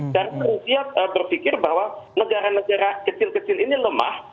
dan rusia berpikir bahwa negara negara kecil kecil ini lemah